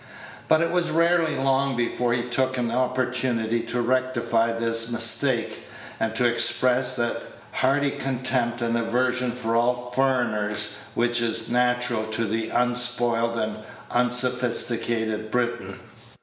But it was rarely long before he took an opportunity to rectify this mistake, and to express that hearty contempt and aversion for all furriners which is natural to the unspoiled and unsophisticated Briton.